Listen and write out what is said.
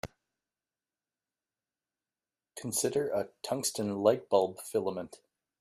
Consider a tungsten light-bulb filament.